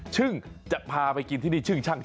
ซึ่งจะพาไปกินที่นี่ชึ่งชั่ง